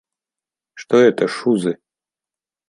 Что это "шузы"?